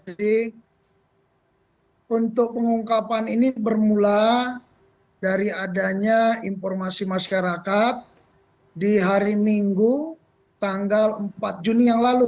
jadi untuk pengungkapan ini bermula dari adanya informasi masyarakat di hari minggu tanggal empat juni yang lalu